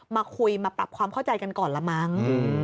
มาคุยมาปรับความเข้าใจกันก่อนละมั้ง